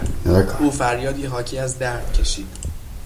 او فریادی حاکی از درد کشید.